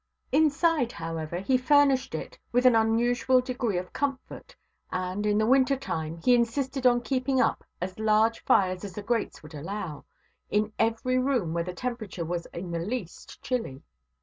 Inside, however, he furnished it with an unusual degree of comfort, and, in the winter time, he insisted on keeping up as large fires as the grates would allow, in every room where the temperature was in the least chilly.